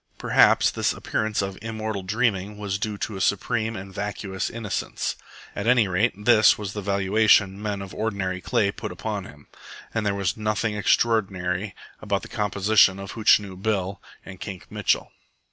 Perhaps this appearance of immortal dreaming was due to a supreme and vacuous innocence. At any rate, this was the valuation men of ordinary clay put upon him, and there was nothing extraordinary about the composition of Hootchinoo Bill and Kink Mitchell.